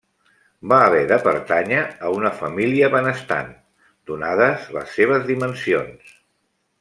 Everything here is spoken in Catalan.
Va haver de pertànyer a una família benestant, donades les seves dimensions.